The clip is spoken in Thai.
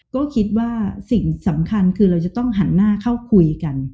ก็คิดว่าสิ่งสำคัญคือเราจะต้องหันหน้าเข้าคุยกัน